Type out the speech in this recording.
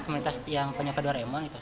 komunitas yang penyokap doraemon gitu